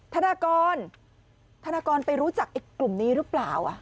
ธนากรธนากรไปรู้จักไอ้กลุ่มนี้หรือเปล่า